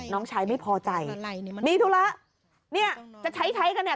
น้องชายไม่พอใจมีธุระเนี่ยจะใช้ใช้กันเนี่ย